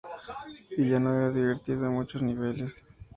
Y ya no era divertido en muchos niveles".